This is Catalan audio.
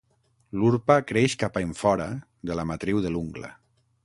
L'urpa creix cap enfora de la matriu de l'ungla.